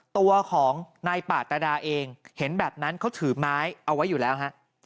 ตัวของนายป่าตดาเองเห็นแบบนั้นเขาถือไม้เอาไว้อยู่แล้วฮะ